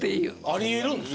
ありえるんですか。